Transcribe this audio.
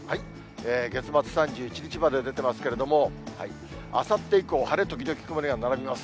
月末３１日まで出ていますけれども、あさって以降、晴れ時々曇りが並びます。